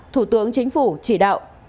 thủ tướng chính phủ chỉ đạo